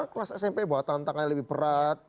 kelas smp bahwa tantangannya lebih berat